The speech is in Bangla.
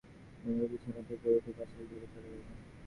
কুমু তংক্ষণাৎ বিছানা থেকে উঠে পাশের ঘরে চলে গেল।